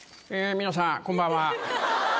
皆さんこんばんは。